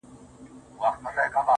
لکه زما زړه، يو داسې بله هم سته